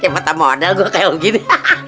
kayak mata model gua kayak begini